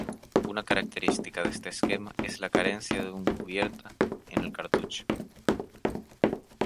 Una característica de este esquema es la carencia de un cubierta en el cartucho.